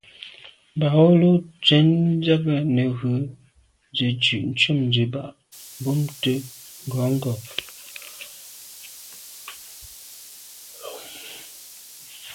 Mbā wʉ́lǒ cwɛ̌d ndíɑ̀g nə̀ ghʉ zə̀ dʉ̀' ntʉ̂m diba mbumtə ngɔ̌ngɔ̀.